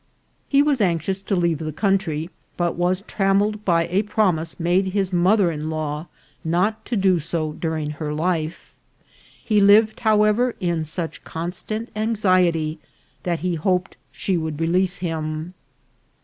He was anxious to leave the country, but was trammelled by a promise made his mother in law not to do so during her life. He lived, however, in such constant anxiety, that he hoped she would release him.